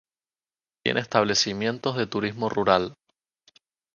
Tiene establecimientos de turismo rural.